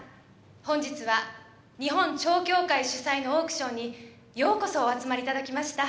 本日は日本蝶協会主催のオークションにようこそお集まり頂きました。